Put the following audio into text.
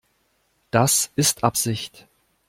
Das ist Absicht.